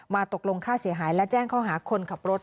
ตกลงค่าเสียหายและแจ้งข้อหาคนขับรถ